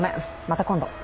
また今度。